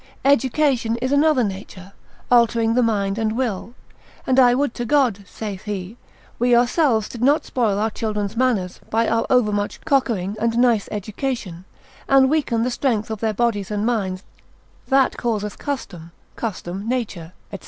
Education is another nature, altering the mind and will, and I would to God (saith he) we ourselves did not spoil our children's manners, by our overmuch cockering and nice education, and weaken the strength of their bodies and minds, that causeth custom, custom nature, &c.